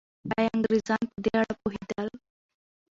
ایا انګریزان په دې اړه پوهېدل؟